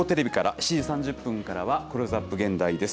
７時３０分からはクローズアップ現代です。